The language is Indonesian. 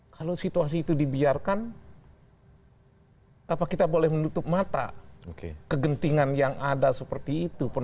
kalau situasi itu dibiarkan kita boleh menutup mata kegentingan yang ada seperti itu